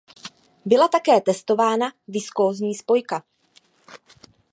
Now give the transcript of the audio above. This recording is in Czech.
Byla také testována viskózní spojka.